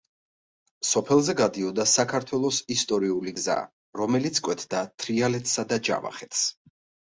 სოფელზე გადიოდა საქართველოს ისტორიული გზა, რომელიც კვეთდა თრიალეთსა და ჯავახეთს.